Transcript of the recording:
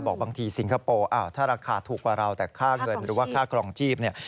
บอกบางทีสิงคโปร์อ่าวถ้าราคาถูกกว่าราวแต่ค่าเงินหรือว่าค่ากลองจีบเนี้ย